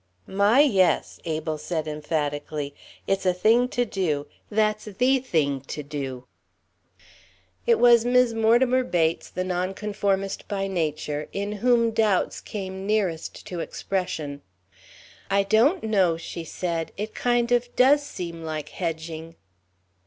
"My, yes," Abel said, emphatically, "It's a thing to do that's the thing to do." It was Mis' Mortimer Bates, the nonconformist by nature, in whom doubts came nearest to expression. "I don't know," she said, "it kind of does seem like hedging."